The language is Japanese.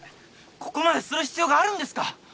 ここまでする必要があるんですか！？